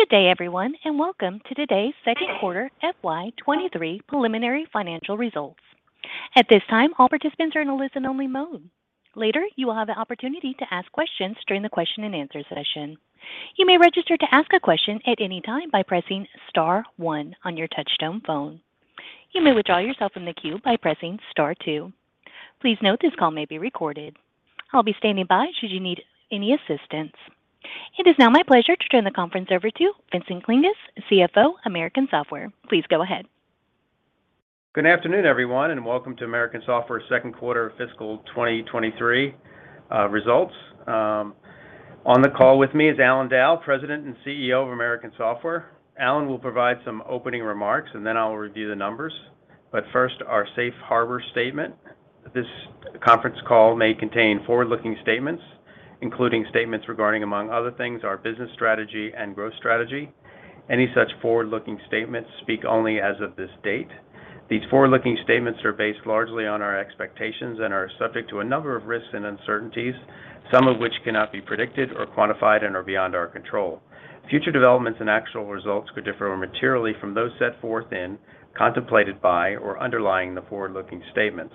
Good day everyone, and welcome to today's second quarter FY 2023 preliminary financial results. At this time, all participants are in a listen only mode. Later, you will have the opportunity to ask questions during the question and answer session. You may register to ask a question at any time by pressing star one on your touchtone phone. You may withdraw yourself from the queue by pressing star two. Please note, this call may be recorded. I'll be standing by should you need any assistance. It is now my pleasure to turn the conference over to Vincent Klinges, CFO, American Software. Please go ahead. Good afternoon, everyone, welcome to American Software 2Q fiscal 2023 results. On the call with me is Allan Dow, President and CEO of American Software. Alan will provide some opening remarks, then I will review the numbers. First, our safe harbor statement. This conference call may contain forward-looking statements, including statements regarding, among other things, our business strategy and growth strategy. Any such forward-looking statements speak only as of this date. These forward-looking statements are based largely on our expectations and are subject to a number of risks and uncertainties, some of which cannot be predicted or quantified and are beyond our control. Future developments and actual results could differ materially from those set forth in, contemplated by, or underlying the forward-looking statements.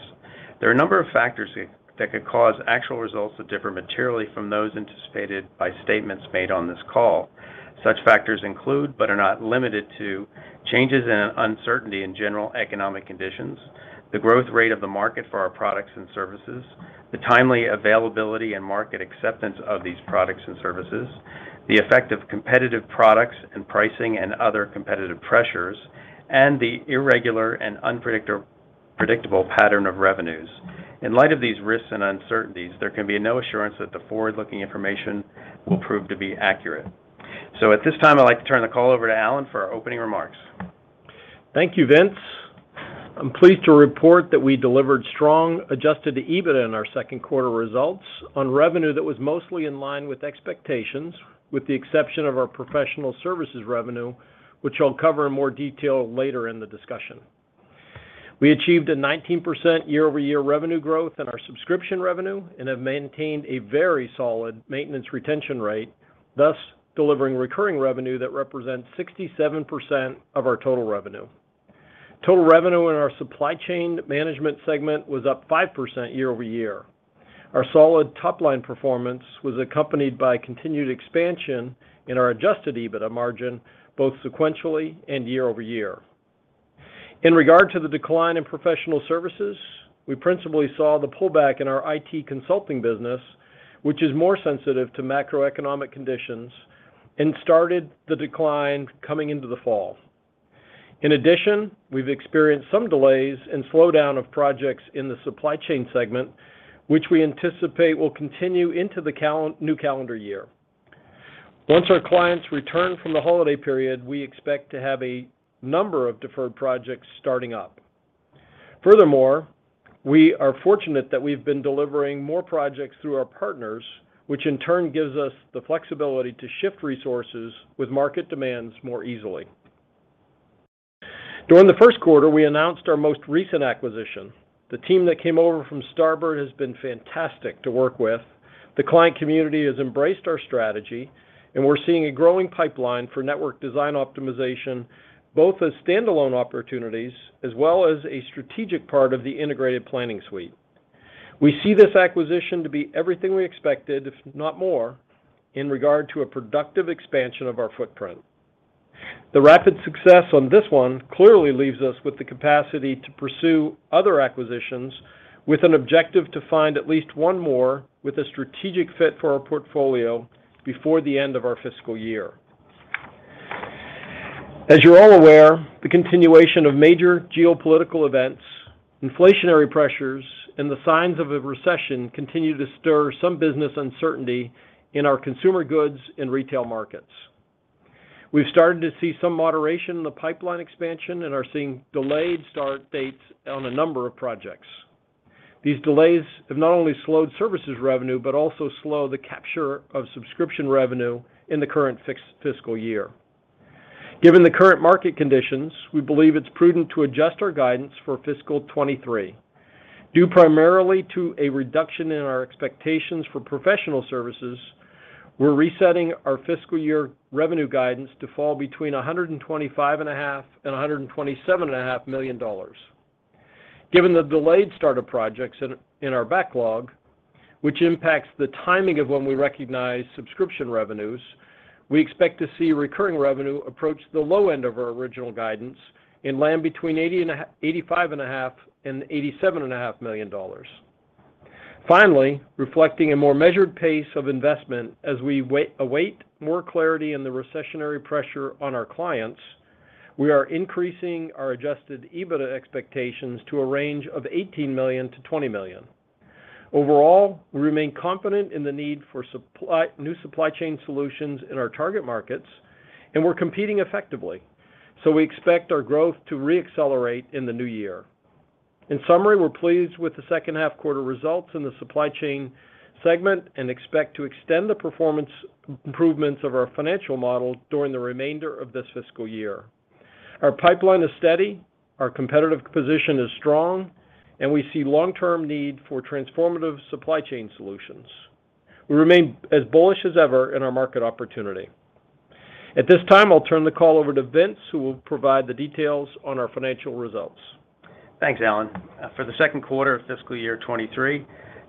There are a number of factors that could cause actual results to differ materially from those anticipated by statements made on this call. Such factors include, but are not limited to, changes in uncertainty in general economic conditions, the growth rate of the market for our products and services, the timely availability and market acceptance of these products and services, the effect of competitive products and pricing and other competitive pressures, and the irregular and unpredictable pattern of revenues. In light of these risks and uncertainties, there can be no assurance that the forward-looking information will prove to be accurate. At this time, I'd like to turn the call over to Alan for our opening remarks. Thank you, Vince. I'm pleased to report that we delivered strong adjusted EBITDA in our second quarter results on revenue that was mostly in line with expectations, with the exception of our professional services revenue, which I'll cover in more detail later in the discussion. We achieved a 19% year-over-year revenue growth in our subscription revenue and have maintained a very solid maintenance retention rate, thus delivering recurring revenue that represents 67% of our total revenue. Total revenue in our supply chain management segment was up 5% year-over-year. Our solid top-line performance was accompanied by continued expansion in our adjusted EBITDA margin, both sequentially and year-over-year. In regard to the decline in professional services, we principally saw the pullback in our IT consulting business, which is more sensitive to macroeconomic conditions and started the decline coming into the fall. We've experienced some delays and slowdown of projects in the supply chain segment, which we anticipate will continue into the new calendar year. Once our clients return from the holiday period, we expect to have a number of deferred projects starting up. We are fortunate that we've been delivering more projects through our partners, which in turn gives us the flexibility to shift resources with market demands more easily. During the first quarter, we announced our most recent acquisition. The team that came over from Starboard has been fantastic to work with. The client community has embraced our strategy, and we're seeing a growing pipeline for Network Design Optimization, both as standalone opportunities as well as a strategic part of the integrated planning suite. We see this acquisition to be everything we expected, if not more, in regard to a productive expansion of our footprint. The rapid success on this one clearly leaves us with the capacity to pursue other acquisitions with an objective to find at least one more with a strategic fit for our portfolio before the end of our fiscal year. As you're all aware, the continuation of major geopolitical events, inflationary pressures, and the signs of a recession continue to stir some business uncertainty in our consumer goods and retail markets. We've started to see some moderation in the pipeline expansion and are seeing delayed start dates on a number of projects. These delays have not only slowed services revenue, but also slow the capture of subscription revenue in the current fiscal year. Given the current market conditions, we believe it's prudent to adjust our guidance for fiscal 2023. Due primarily to a reduction in our expectations for professional services, we're resetting our fiscal year revenue guidance to fall between $125.5 million and $127.5 million. Given the delayed start of projects in our backlog, which impacts the timing of when we recognize subscription revenues, we expect to see recurring revenue approach the low end of our original guidance and land between $85.5 million and $87.5 million. Finally, reflecting a more measured pace of investment as we await more clarity in the recessionary pressure on our clients, we are increasing our adjusted EBITDA expectations to a range of $18 million-$20 million. Overall, we remain confident in the need for new supply chain solutions in our target markets, and we're competing effectively. We expect our growth to re-accelerate in the new year. In summary, we're pleased with the second half quarter results in the supply chain segment and expect to extend the performance improvements of our financial model during the remainder of this fiscal year. Our pipeline is steady, our competitive position is strong, and we see long-term need for transformative supply chain solutions. We remain as bullish as ever in our market opportunity. At this time, I'll turn the call over to Vince, who will provide the details on our financial results. Thanks, Allan. For the second quarter of fiscal year 2023,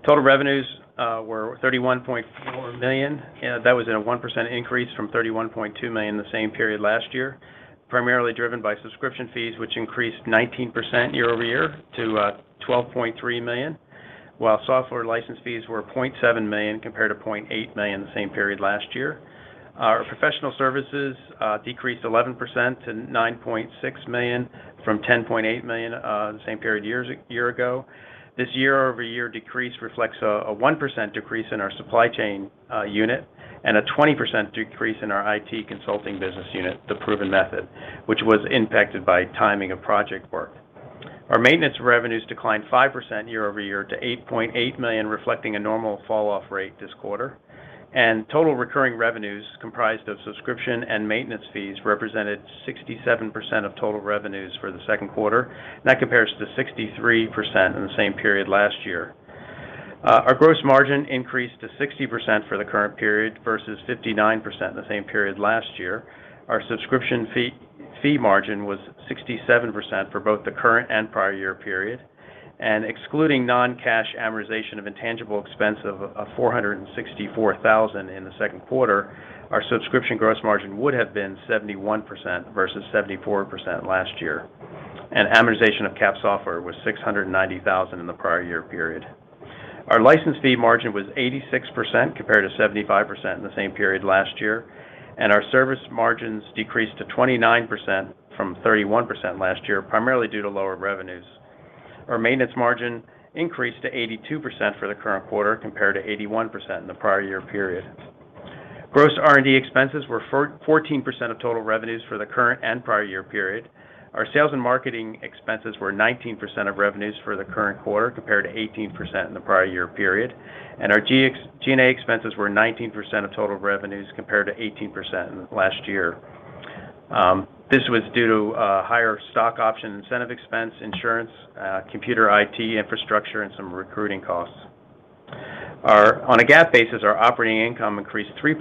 total revenues were $31.4 million, and that was in a 1% increase from $31.2 million the same period last year, primarily driven by subscription fees, which increased 19% year-over-year to $12.3 million, while software license fees were $0.7 million compared to $0.8 million the same period last year. Our professional services decreased 11% to $9.6 million from $10.8 million the same period year ago. This year-over-year decrease reflects a 1% decrease in our supply chain unit and a 20% decrease in our IT consulting business unit, The Proven Method, which was impacted by timing of project work. Our maintenance revenues declined 5% year-over-year to $8.8 million, reflecting a normal fall off rate this quarter. Total recurring revenues comprised of subscription and maintenance fees represented 67% of total revenues for the second quarter, and that compares to 63% in the same period last year. Our gross margin increased to 60% for the current period versus 59% in the same period last year. Our subscription fee margin was 67% for both the current and prior year period. Excluding non-cash amortization of intangible expense of $464,000 in the second quarter, our subscription gross margin would have been 71% versus 74% last year. Amortization of CapEx software was $690,000 in the prior year period. Our license fee margin was 86% compared to 75% in the same period last year, and our service margins decreased to 29% from 31% last year, primarily due to lower revenues. Our maintenance margin increased to 82% for the current quarter compared to 81% in the prior year period. Gross R&D expenses were 14% of total revenues for the current and prior year period. Our sales and marketing expenses were 19% of revenues for the current quarter compared to 18% in the prior year period. Our G&A expenses were 19% of total revenues compared to 18% in last year. This was due to higher stock option incentive expense, insurance, computer IT infrastructure, and some recruiting costs. On a GAAP basis, our operating income increased 3%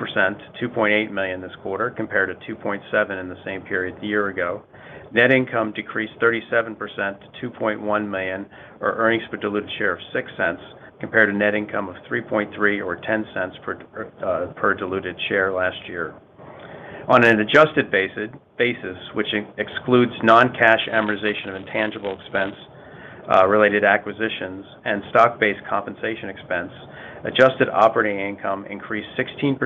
to $2.8 million this quarter, compared to $2.7 million in the same period a year ago. Net income decreased 37% to $2.1 million, or earnings per diluted share of $0.06, compared to net income of $3.3 million or $0.10 per diluted share last year. On an adjusted basis, which excludes non-cash amortization of intangible expense, related acquisitions and stock-based compensation expense, adjusted operating income increased 16%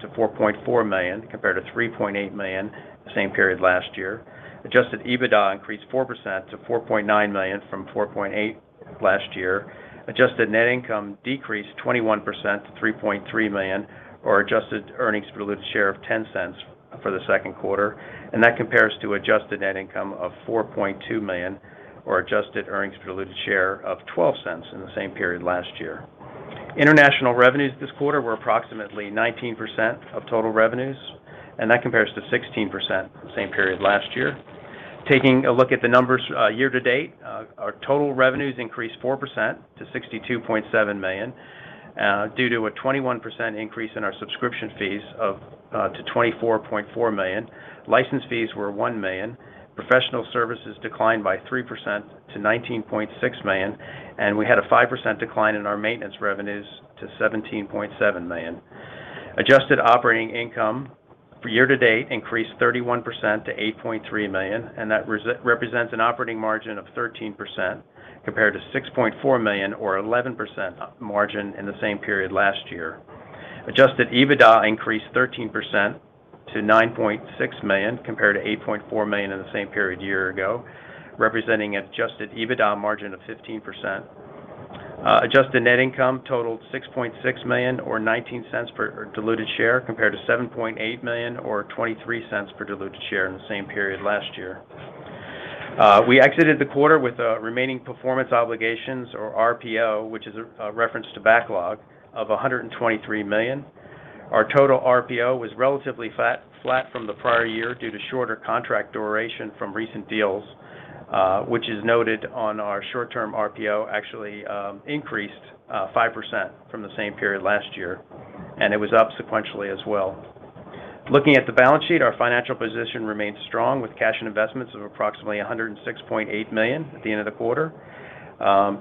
to $4.4 million, compared to $3.8 million the same period last year. Adjusted EBITDA increased 4% to $4.9 million from $4.8 million last year. Adjusted net income decreased 21% to $3.3 million, or adjusted earnings per diluted share of $0.10 for the second quarter. That compares to adjusted net income of $4.2 million or adjusted earnings per diluted share of $0.12 in the same period last year. International revenues this quarter were approximately 19% of total revenues, and that compares to 16% the same period last year. Taking a look at the numbers, year to date, our total revenues increased 4% to $62.7 million due to a 21% increase in our subscription fees to $24.4 million. License fees were $1 million. Professional services declined by 3% to $19.6 million, and we had a 5% decline in our maintenance revenues to $17.7 million. Adjusted operating income for year to date increased 31% to $8.3 million, that represents an operating margin of 13% compared to $6.4 million or 11% margin in the same period last year. Adjusted EBITDA increased 13% to $9.6 million, compared to $8.4 million in the same period a year ago, representing adjusted EBITDA margin of 15%. Adjusted net income totaled $6.6 million or $0.19 per diluted share, compared to $7.8 million or $0.23 per diluted share in the same period last year. We exited the quarter with a remaining performance obligations or RPO, which is a reference to backlog of $123 million. Our total RPO was relatively flat from the prior year due to shorter contract duration from recent deals, which is noted on our short-term RPO actually, increased 5% from the same period last year. It was up sequentially as well. Looking at the balance sheet, our financial position remains strong with cash and investments of approximately $106.8 million at the end of the quarter.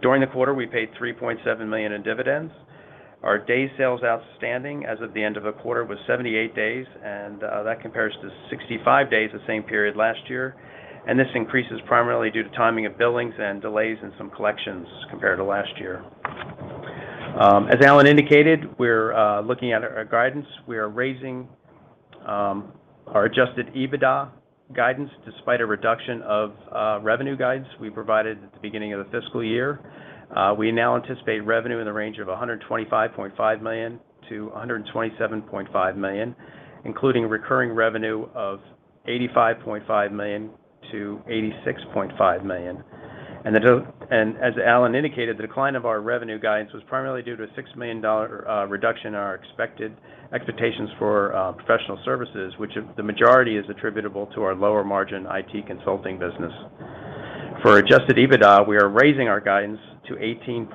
During the quarter, we paid $3.7 million in dividends. Our day sales outstanding as of the end of the quarter was 78 days, that compares to 65 days the same period last year. This increase is primarily due to timing of billings and delays in some collections compared to last year. As Alan indicated, we're looking at our guidance. We are raising our adjusted EBITDA guidance despite a reduction of revenue guides we provided at the beginning of the fiscal year. We now anticipate revenue in the range of $125.5 million-$127.5 million, including recurring revenue of $85.5 million-$86.5 million. As Alan indicated, the decline of our revenue guidance was primarily due to a $6 million reduction in our expectations for professional services, which is the majority is attributable to our lower margin IT consulting business. For adjusted EBITDA, we are raising our guidance to $18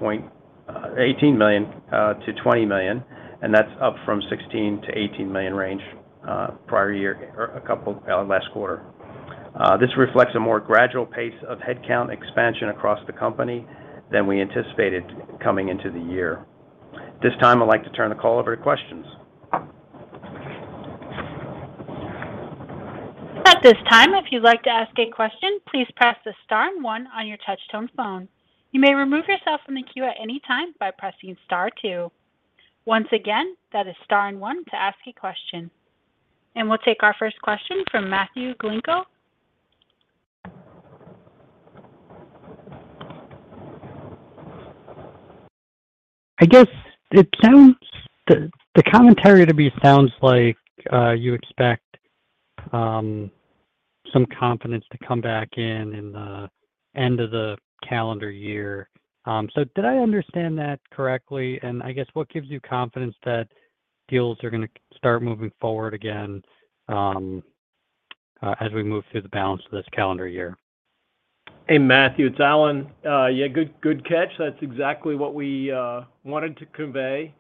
million to $20 million, and that's up from $16 million-$18 million range prior year or a couple last quarter. This reflects a more gradual pace of headcount expansion across the company than we anticipated coming into the year. At this time, I'd like to turn the call over to questions. At this time, if you'd like to ask a question, please press the star and one on your touch tone phone. You may remove yourself from the queue at any time by pressing star two. Once again, that is star and one to ask a question. We'll take our first question from Matthew Galinko. The commentary to me sounds like you expect some confidence to come back in the end of the calendar year. Did I understand that correctly? I guess what gives you confidence that deals are gonna start moving forward again as we move through the balance of this calendar year? Hey, Matthew, it's Alan. Yeah, good catch. That's exactly what we wanted to convey.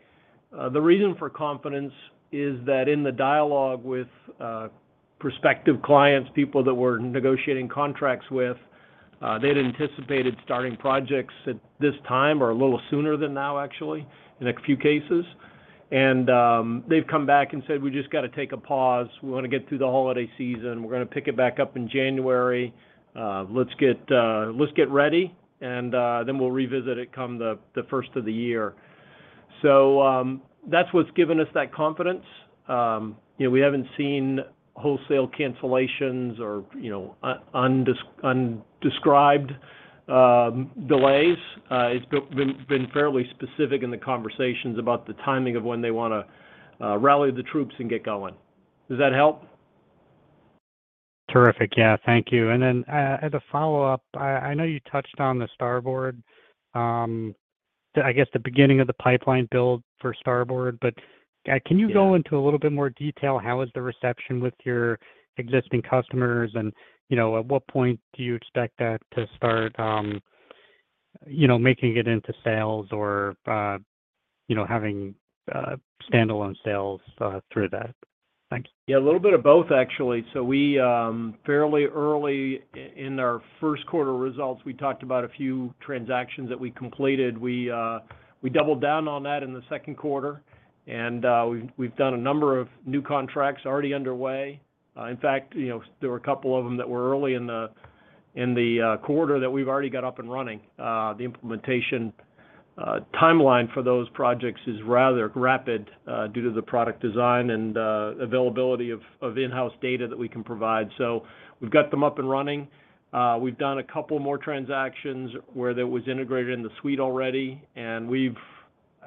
The reason for confidence is that in the dialogue with prospective clients, people that we're negotiating contracts with, they'd anticipated starting projects at this time or a little sooner than now, actually, in a few cases. They've come back and said, "We just got to take a pause. We wanna get through the holiday season. We're gonna pick it back up in January. Let's get ready, and then we'll revisit it come the first of the year." That's what's given us that confidence. You know, we haven't seen wholesale cancellations or, you know, undescribed delays. It's been fairly specific in the conversations about the timing of when they wanna rally the troops and get going. Does that help? Terrific. Yeah. Thank you. As a follow-up, I know you touched on the Starboard, I guess, the beginning of the pipeline build for Starboard. Yeah. Can you go into a little bit more detail, how is the reception with your existing customers? You know, at what point do you expect that to start, you know, making it into sales or, you know, having, standalone sales, through that? Thank you. Yeah. A little bit of both, actually. We, fairly early in our 1st quarter results, we talked about a few transactions that we completed. We doubled down on that in the 2nd quarter, we've done a number of new contracts already underway. In fact, you know, there were a couple of them that were early in the quarter that we've already got up and running. The implementation timeline for those projects is rather rapid, due to the product design and availability of in-house data that we can provide. We've got them up and running. We've done a couple more transactions where that was integrated in the suite already, I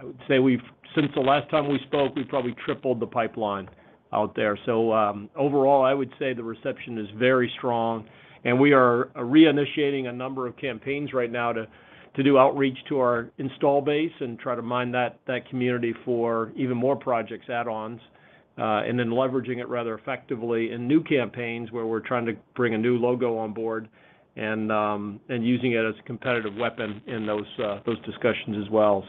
would say we've Since the last time we spoke, we've probably tripled the pipeline out there. Overall, I would say the reception is very strong, and we are reinitiating a number of campaigns right now to do outreach to our install base and try to mine that community for even more projects add-ons, and then leveraging it rather effectively in new campaigns where we're trying to bring a new logo on board and using it as a competitive weapon in those discussions as well.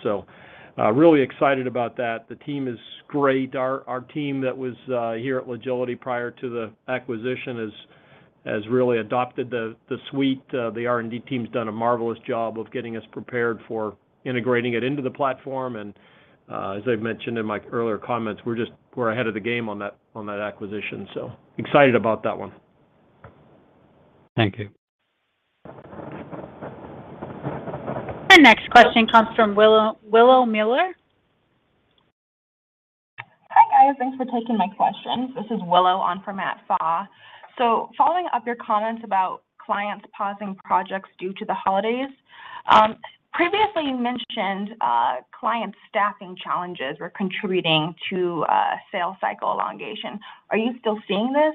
Really excited about that. The team is great. Our team that was here at Logility prior to the acquisition has really adopted the suite. The R&D team's done a marvelous job of getting us prepared for integrating it into the platform. As I've mentioned in my earlier comments, we're ahead of the game on that, on that acquisition, so excited about that one. Thank you. Our next question comes from Willow Miller. Hi, guys. Thanks for taking my questions. This is Willow on for Matt Pfau. Following up your comments about clients pausing projects due to the holidays, previously you mentioned, client staffing challenges were contributing to, sales cycle elongation. Are you still seeing this?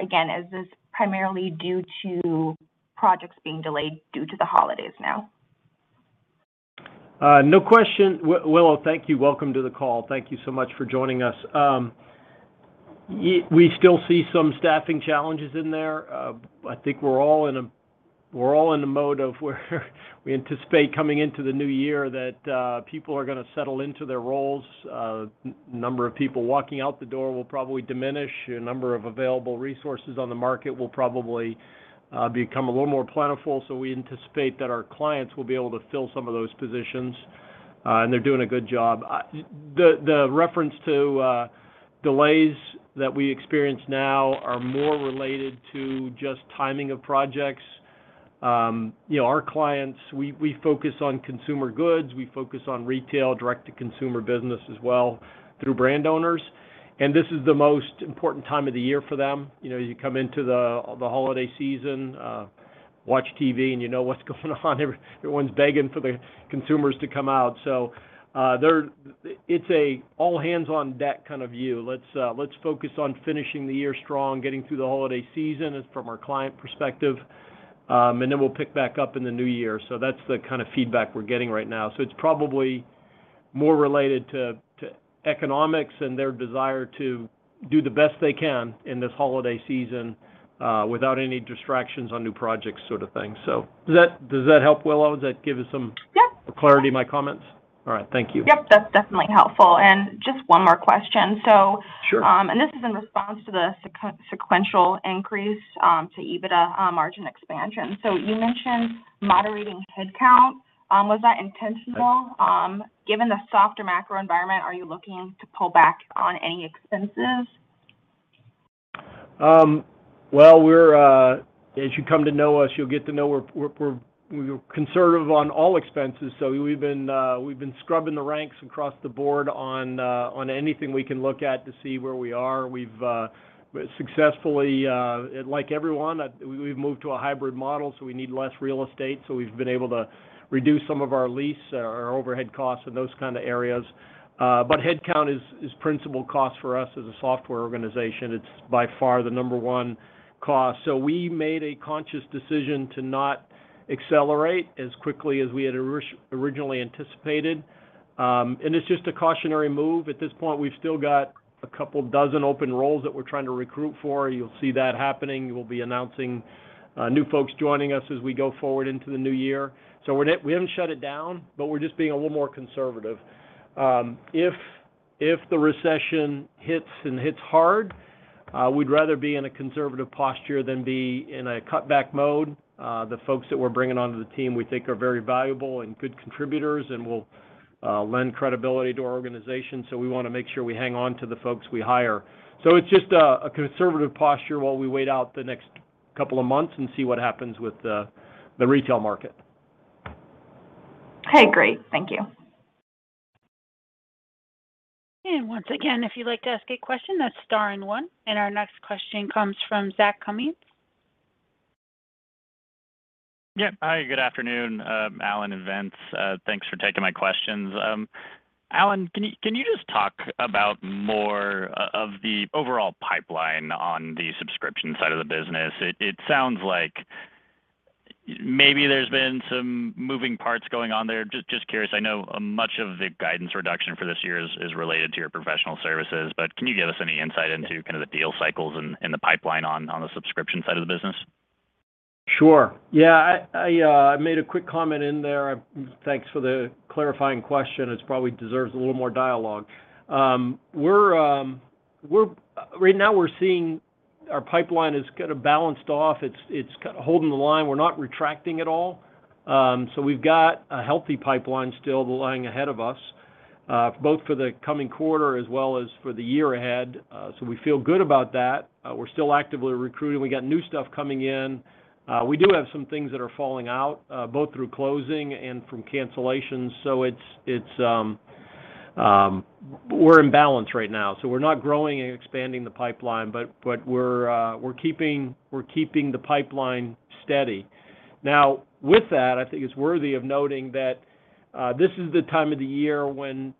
Again, is this primarily due to projects being delayed due to the holidays now? No question. Willow, thank you. Welcome to the call. Thank you so much for joining us. We still see some staffing challenges in there. I think we're all in a mode of where we anticipate coming into the new year that people are gonna settle into their roles. Number of people walking out the door will probably diminish. A number of available resources on the market will probably become a little more plentiful. We anticipate that our clients will be able to fill some of those positions, and they're doing a good job. The reference to delays that we experience now are more related to just timing of projects. You know, our clients, we focus on consumer goods, we focus on retail, direct-to-consumer business as well through brand owners. This is the most important time of the year for them. You know, you come into the holiday season, watch TV, and you know what's going on. Everyone's begging for the consumers to come out. It's an all hands on deck kind of view. Let's, let's focus on finishing the year strong, getting through the holiday season is from our client perspective, then we'll pick back up in the new year. That's the kind of feedback we're getting right now. It's probably more related to economics and their desire to do the best they can in this holiday season, without any distractions on new projects sort of thing. Does that help, Willow? Does that give you. Yep... clarity in my comments? All right. Thank you. Yep. That's definitely helpful. Just one more question? Sure This is in response to the sequential increase to EBITDA margin expansion. You mentioned moderating headcount. Was that intentional? Given the softer macro environment, are you looking to pull back on any expenses? Well, we're, as you come to know us, you'll get to know we're conservative on all expenses. We've been scrubbing the ranks across the board on anything we can look at to see where we are. We successfully, like everyone, we've moved to a hybrid model, so we need less real estate, so we've been able to reduce some of our lease or our overhead costs in those kind of areas. Headcount is principal cost for us as a software organization. It's by far the number one cost. We made a conscious decision to not accelerate as quickly as we had originally anticipated. It's just a cautionary move. At this point, we've still got a couple dozen open roles that we're trying to recruit for. You'll see that happening. We'll be announcing new folks joining us as we go forward into the new year. We haven't shut it down, but we're just being a little more conservative. If the recession hits and hits hard, we'd rather be in a conservative posture than be in a cutback mode. The folks that we're bringing onto the team we think are very valuable and good contributors and will lend credibility to our organization. We wanna make sure we hang on to the folks we hire. It's just a conservative posture while we wait out the next couple of months and see what happens with the retail market. Okay. Great. Thank you. Once again, if you'd like to ask a question, that's star and one. Our next question comes from Zach Cummins. Hi, good afternoon, Alan and Vince. Thanks for taking my questions. Alan, can you just talk about more of the overall pipeline on the subscription side of the business? It sounds like maybe there's been some moving parts going on there. Just curious. I know much of the guidance reduction for this year is related to your professional services, but can you give us any insight into kind of the deal cycles and the pipeline on the subscription side of the business? Sure. Yeah. I made a quick comment in there. Thanks for the clarifying question. It probably deserves a little more dialogue. Right now we're seeing our pipeline is kind of balanced off. It's holding the line. We're not retracting at all. We've got a healthy pipeline still lying ahead of us, both for the coming quarter as well as for the year ahead. We feel good about that. We're still actively recruiting. We got new stuff coming in. We do have some things that are falling out, both through closing and from cancellations. It's in balance right now. We're not growing and expanding the pipeline, but we're keeping the pipeline steady. Now, with that, I think it's worthy of noting that this is the time of the year when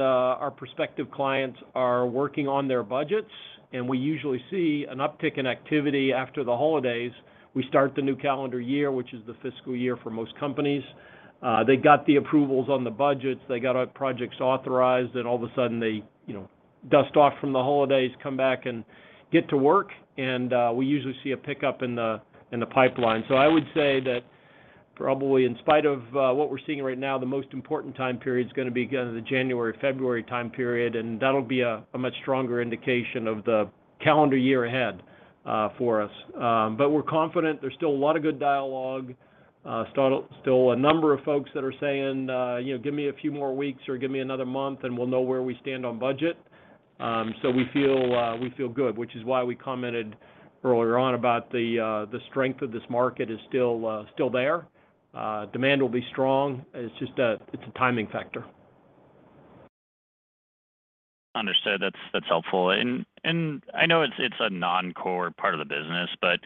our prospective clients are working on their budgets, and we usually see an uptick in activity after the holidays. We start the new calendar year, which is the fiscal year for most companies. They got the approvals on the budgets, they got our projects authorized, and all of a sudden they, you know, dust off from the holidays, come back and get to work, and we usually see a pickup in the pipeline. I would say that probably in spite of what we're seeing right now, the most important time period is gonna be kind of the January-February time period, and that'll be a much stronger indication of the calendar year ahead for us. We're confident there's still a lot of good dialogue. Still a number of folks that are saying, you know, "Give me a few more weeks or give me another month, and we'll know where we stand on budget." We feel good, which is why we commented earlier on about the strength of this market is still there. Demand will be strong. It's just a timing factor. Understood. That's helpful. I know it's a non-core part of the business, but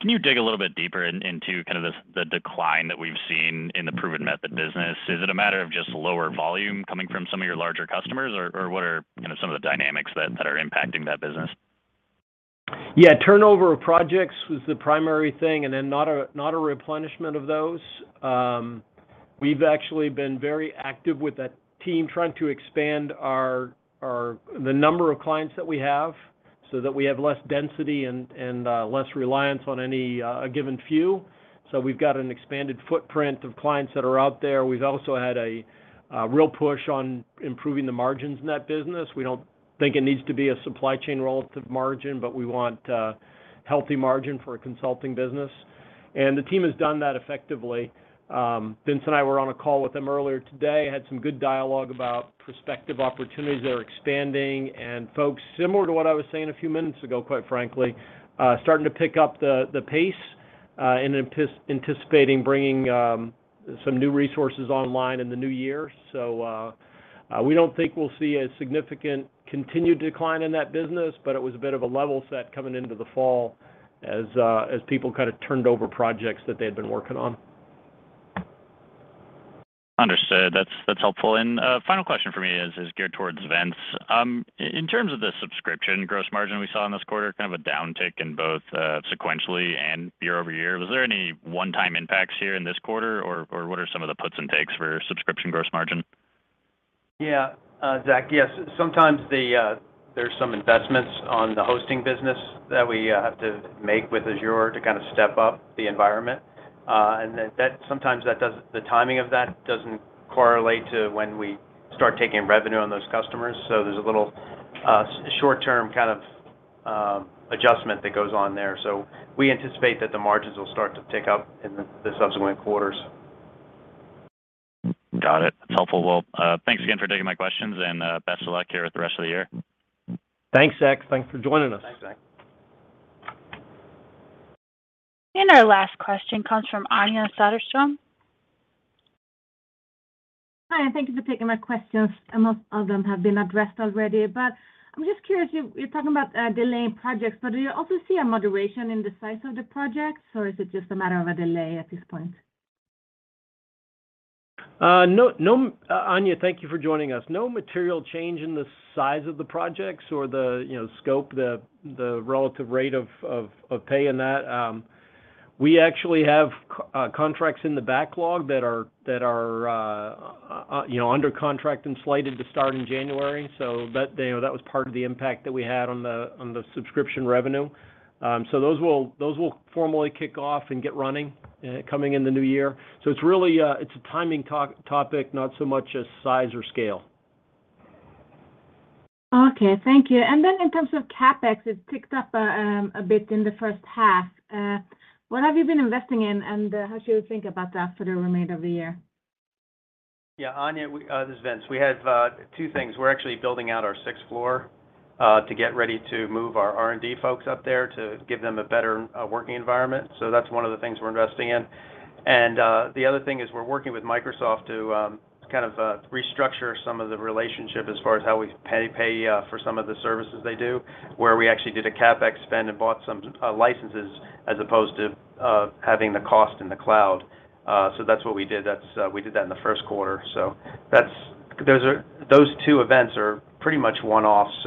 can you dig a little bit deeper into kind of the decline that we've seen in The Proven Method business? Is it a matter of just lower volume coming from some of your larger customers, or what are, you know, some of the dynamics that are impacting that business? Turnover of projects was the primary thing, then not a replenishment of those. We've actually been very active with that team trying to expand our, the number of clients that we have so that we have less density and less reliance on any a given few. We've got an expanded footprint of clients that are out there. We've also had a real push on improving the margins in that business. We don't think it needs to be a supply chain relative margin, but we want a healthy margin for a consulting business. The team has done that effectively. Vince and I were on a call with them earlier today, had some good dialogue about prospective opportunities that are expanding. Folks, similar to what I was saying a few minutes ago, quite frankly, starting to pick up the pace, and anticipating bringing some new resources online in the new year. We don't think we'll see a significant continued decline in that business, but it was a bit of a level set coming into the fall as people kind of turned over projects that they had been working on. Understood. That's helpful. Final question for me is geared towards Vince. In terms of the subscription gross margin we saw in this quarter, kind of a downtick in both sequentially and year-over-year, was there any one-time impacts here in this quarter, or what are some of the puts and takes for subscription gross margin? Yeah, Zach, yes. Sometimes the, there's some investments on the hosting business that we have to make with Azure to kind of step up the environment. Then sometimes the timing of that doesn't correlate to when we start taking revenue on those customers. There's a little short-term kind of adjustment that goes on there. We anticipate that the margins will start to tick up in the subsequent quarters. Got it. That's helpful. Well, thanks again for taking my questions, and best of luck here with the rest of the year. Thanks, Zach. Thanks for joining us. Thanks, Zach. Our last question comes from Anja Soderstrom. Hi, thank you for taking my questions. Most of them have been addressed already. I'm just curious. You're talking about delaying projects, but do you also see a moderation in the size of the projects, or is it just a matter of a delay at this point? Anja, thank you for joining us. No material change in the size of the projects or the, you know, scope, the relative rate of pay in that. We actually have contracts in the backlog that are, you know, under contract and slated to start in January. That, you know, that was part of the impact that we had on the subscription revenue. Those will formally kick off and get running coming in the new year. It's really a timing topic, not so much a size or scale. Okay, thank you. Then in terms of CapEx, it's ticked up, a bit in the first half. What have you been investing in, and how should we think about that for the remainder of the year? Anja, this is Vince. We have two things. We're actually building out our sixth floor, to get ready to move our R&D folks up there to give them a better, working environment. That's one of the things we're investing in. The other thing is we're working with Microsoft to kind of restructure some of the relationship as far as how we pay for some of the services they do, where we actually did a CapEx spend and bought some, licenses as opposed to, having the cost in the cloud. That's what we did. That's, we did that in the first quarter. Those two events are pretty much one-offs.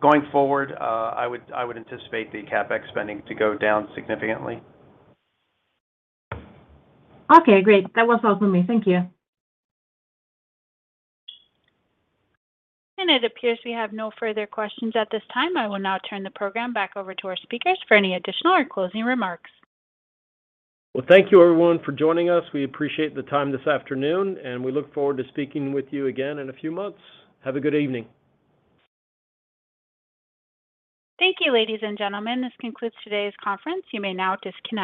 Going forward, I would, I would anticipate the CapEx spending to go down significantly. Okay, great. That was all for me. Thank you. It appears we have no further questions at this time. I will now turn the program back over to our speakers for any additional or closing remarks. Well, thank you everyone for joining us. We appreciate the time this afternoon, and we look forward to speaking with you again in a few months. Have a good evening. Thank you, ladies and gentlemen. This concludes today's conference. You may now disconnect.